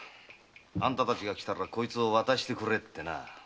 あんたたちが来たらこいつを渡してくれってな。